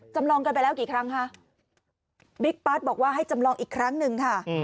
จำลองกันไปแล้วกี่ครั้งคะบิ๊กปั๊ดบอกว่าให้จำลองอีกครั้งหนึ่งค่ะ